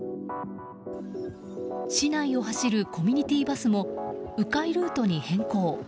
市内を走るコミュニティーバスも迂回ルートに変更。